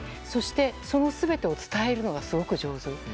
そして、その全てを伝えるのがすごく上手。